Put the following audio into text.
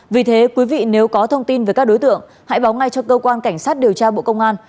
vì thế quý vị nếu có thông tin về các đối tượng hãy báo ngay cho cơ quan cảnh sát điều tra bộ công an